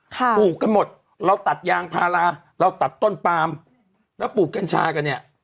ปลูกกันหมดเราตัดยางพาราเราตัดต้นปามแล้วปลูกกัญชากันเนี่ย